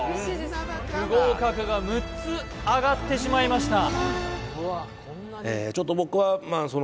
不合格が６つあがってしまいました